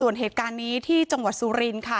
ส่วนเหตุการณ์นี้ที่จังหวัดสุรินค่ะ